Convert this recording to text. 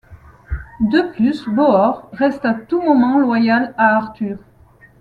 De plus, Bohort reste à tout moment loyal à Arthur.